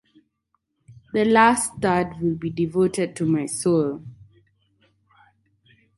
The last third will be devoted to my soul.